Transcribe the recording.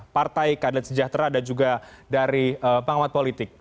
partai kadat sejahtera dan juga dari pengamat politik